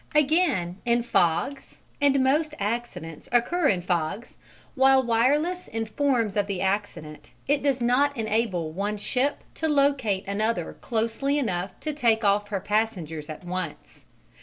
Again, in fogs, and most accidents occur in fogs, while wireless informs of the accident, it does not enable one ship to locate another closely enough to take off her passengers at once.